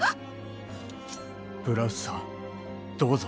ブラウスさんどうぞ。